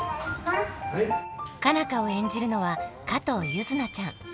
佳奈花を演じるのは加藤柚凪ちゃん。